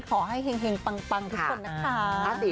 ขอให้แห่งปังทุกคนนะคะ